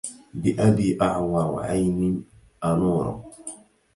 بأبي أعور عين أنور